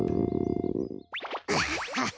アハハハ。